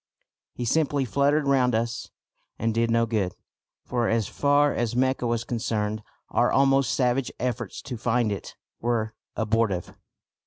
He simply fluttered round us and did no good, for as far as Mecca was concerned our almost savage efforts to find it were abortive.